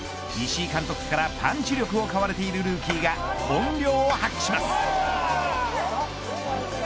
石井監督からパンチ力をかわれているルーキーが本領を発揮します。